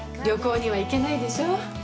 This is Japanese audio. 旅行には行けないでしょ。